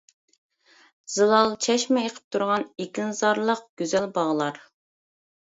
زىلال چەشمە ئېقىپ تۇرغان، ئېكىنزارلىق، گۈزەل باغلار.